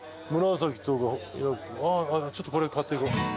ちょっとこれ買っていこう。